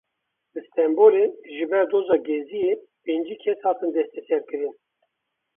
Li Stenbolê ji ber doza Geziyê pêncî kes hatin desteserkirin.